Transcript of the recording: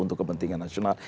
untuk kepentingan nasional